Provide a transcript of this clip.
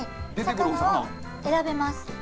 魚は選べます。